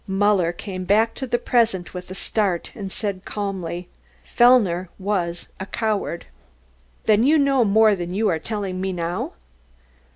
Muller came back to the present with a start and said calmly, "Fellner was a coward." "Then you know more than you are telling me now?"